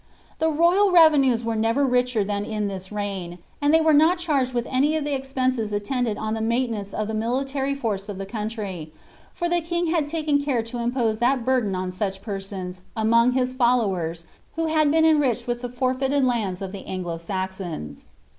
The royal revenues were never richer than in this reign, and they were not charged with any of the expenses attending on the utaintenuM of the military force of the country, for the king had taken care to im pose that burden on snch persons, among his foUowers, who had been enriched widi the forfeited lands of the Anglo Saxons.